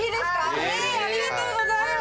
ありがとうございます！